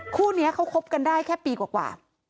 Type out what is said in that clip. คู่นี้เขาคบกันได้แค่ปีกว่า